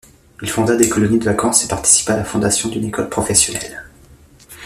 Il fonda des colonies de vacances et participa à la fondation d'une école professionnelle.